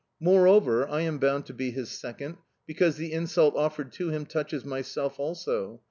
"Moreover, I am bound to be his second, because the insult offered to him touches myself also.